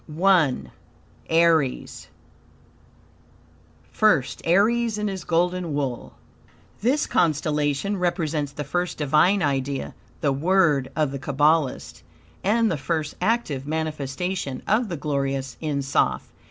1. Aries "First Aries, in his golden wool." This constellation represents the first Divine idea, the "word" of the Kabbalist, and the first active manifestation of the glorious En Soph.